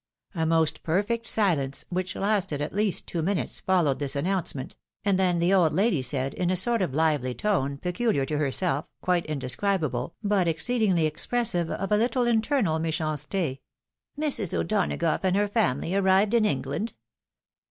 A most perfect silence, which lasted at least two minutes, followed this announcement, and then the old lady said, in a sort of hvely tone, pecuhar to herself, quite indescribable, but exceedingly expressive of a little internal mechancete — "Mrs. O'Donagough and her family arrived in England